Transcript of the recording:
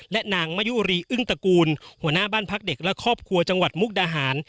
และนางมะยุรีอึ้งตระกูลหัวหน้าบ้านพักเด็กและครอบครัวจังหวัดมุกดาหาร